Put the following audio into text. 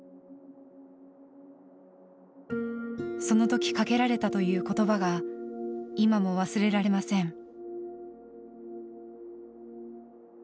その時かけられたという言葉が今も忘れられません。